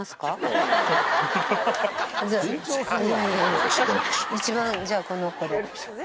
いやいや一番じゃあこの子で。